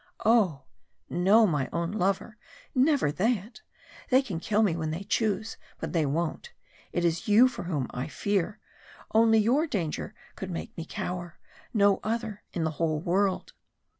Oh! no, my own lover, never that! They can kill me when they choose, but they won't; it is you for whom I fear. Only your danger could make me cower, no other in the whole world."